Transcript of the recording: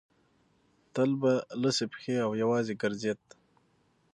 تل به لڅې پښې او یوازې ګرځېد.